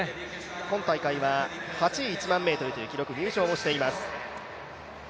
今大会は８位、１００００ｍという記録入賞もしています。